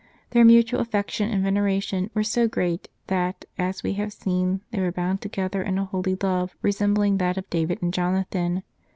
Their mutual affection and veneration were so great that, as we have seen, they were bound together in a holy love resembling that of David and Jonathan.